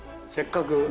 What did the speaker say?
せっかく。